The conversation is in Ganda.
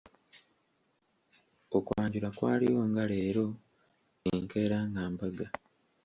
Okwanjula kwaliwo nga leero, enkeera nga mbaga.